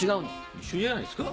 一緒じゃないですか？